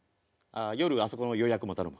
夜あそこの予約も頼む。